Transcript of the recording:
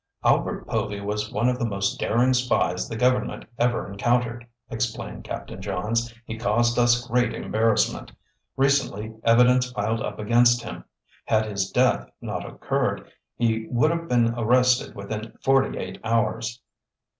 "Albert Povy was one of the most daring spies the government ever encountered," explained Captain Johns. "He caused us great embarrassment. Recently, evidence piled up against him. Had his death not occurred, he would have been arrested within forty eight hours."